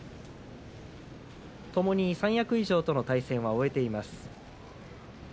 ともに三役以上との対戦は終えています。